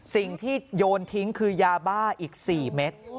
สิ่งที่โยนทิ้งคือยาบ้าอีก๔เมตร